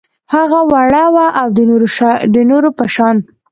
هغه وړه وه او د نورو په شان